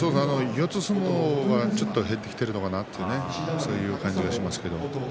四つ相撲が減ってきているのかなという感じがします。